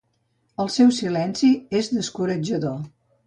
El seu silenci és descoratjador.